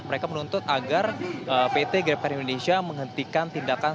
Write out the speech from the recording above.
mereka menuntut agar pt grabcar indonesia menghentikan tindakan